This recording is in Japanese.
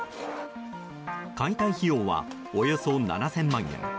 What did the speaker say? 解体費用はおよそ７０００万円。